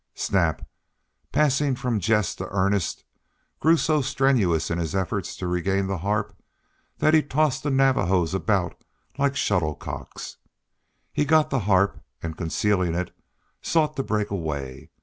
Snap, passing from jest to earnest, grew so strenuous in his efforts to regain the harp that he tossed the Navajos about like shuttle cocks. He got the harp and, concealing it, sought to break away.